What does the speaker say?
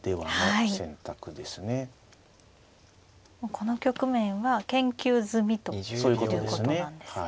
この局面は研究済みということなんですね。